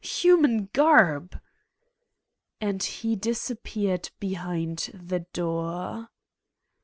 human garb!" And he disappeared behind the door.